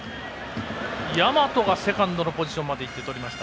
大和がセカンドのポジションにまでいってとりました。